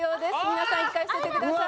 皆さん１回伏せてください。